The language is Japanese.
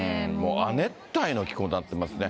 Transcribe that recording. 亜熱帯の気候になってますね。